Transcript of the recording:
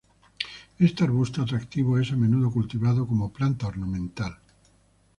Este arbusto atractivo es a menudo cultivado como planta ornamental.